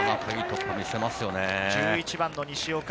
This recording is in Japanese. １１番・西岡。